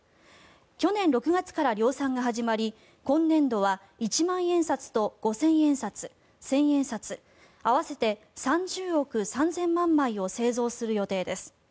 去年６月から量産が始まり今年度は一万円札と五千円札、千円札合わせて３０億３０００万枚を製造する予定です。